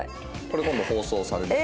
これ今度放送される。